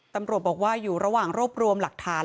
ตำรวจบอกว่าอยู่ระหว่างรวบรวมหลักฐาน